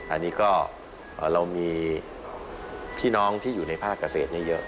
อันนี้ก็เรามีพี่น้องที่อยู่ในภาคเกษตรเยอะ